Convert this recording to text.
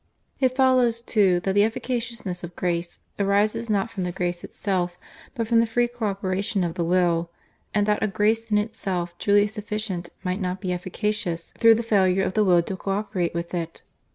It follows, too, that the efficaciousness of Grace arises not from the Grace itself but from the free co operation of the will, and that a Grace in itself truly sufficient might not be efficacious through the failure of the will to co operate with it.